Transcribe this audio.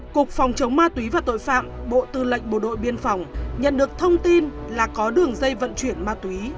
cục phòng chống ma túy và tội phạm bộ tư lệnh bộ đội biên phòng nhận được thông tin là có đường dây vận chuyển ma túy